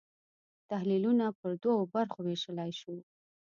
تحلیلونه پر دوو برخو وېشلای شو.